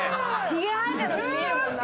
ひげ生えてるのに見えるもんな。